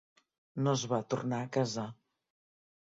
No es va tornar a casar.